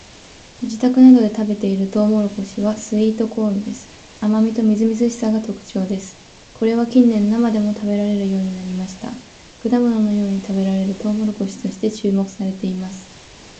自宅などで食べているトウモロコシはスイートコーンです。甘味とみずみずしさが特徴です。これは近年生でも食べられるようになりました。果物のように食べられるトウモロコシとして注目されています。